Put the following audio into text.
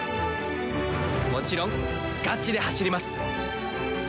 もちろんガチで走ります。